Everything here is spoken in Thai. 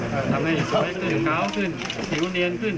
ทำให้สวยขาวขึ้นผิวเนียนขึ้น